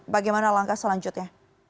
bagaimana langkah selanjutnya